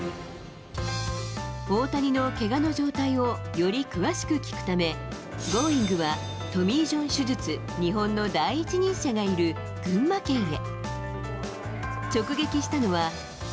大谷のけがの状態をより詳しく聞くため、『Ｇｏｉｎｇ！』はトミー・ジョン手術・日本の第一人者がいる群馬県へ。